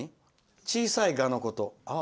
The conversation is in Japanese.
小さいガのこと。